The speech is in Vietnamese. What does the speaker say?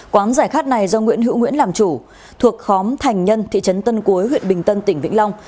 quán giải khát này do nguyễn hữu nguyễn làm chủ thuộc khóm thành nhân thị trấn tân cuối huyện bình tân tỉnh vĩnh long